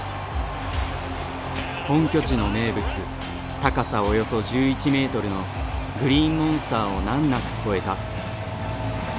本拠地の名物高さおよそ１１メートルのグリーンモンスターを難なく越えた。